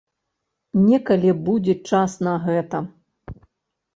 Некалі будзе час на гэта.